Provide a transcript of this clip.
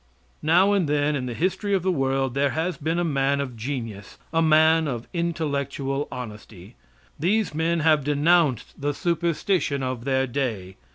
Now and then, in the history of the world, there has been a man of genius, a man of intellectual honesty. These men have denounced the superstition of their day.